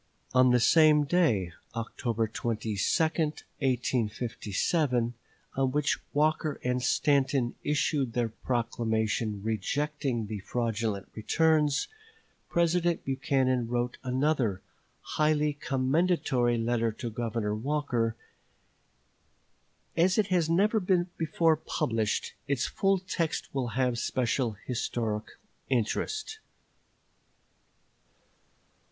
On the same day (October 22, 1857) on which Walker and Stanton issued their proclamation rejecting the fraudulent returns, President Buchanan wrote another highly commendatory letter to Governor Walker. As it has never before been published, its full text will have special historical interest.